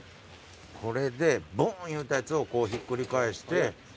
これでボーンいうたやつをひっくり返して。